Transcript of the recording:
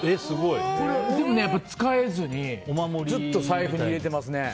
これ、使えずにずっと財布に入れてますね。